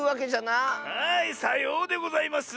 はいさようでございます！